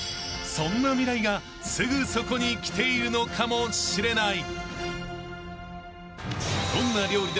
［そんな未来がすぐそこに来ているのかもしれない］